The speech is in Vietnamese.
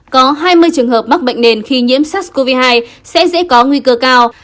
có hai mươi trường hợp mắc bệnh nền khi nhiễm sars cov hai sẽ dễ có nguy cơ cao